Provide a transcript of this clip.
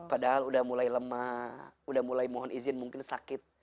padahal udah mulai lemah udah mulai mohon izin mungkin sakit